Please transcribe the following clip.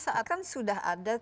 mendeteksinya dengan cepat